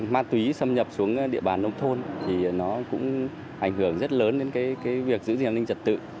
ma túy xâm nhập xuống địa bàn nông thôn thì nó cũng ảnh hưởng rất lớn đến cái việc giữ gìn an ninh triệt tử